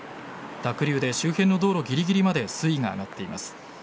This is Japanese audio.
濁流で周辺の道路ぎりぎりまで水位が上がっています。